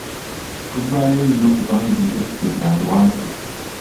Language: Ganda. Tuvaayo nnyo kubanga ebyaffe bya lwatu.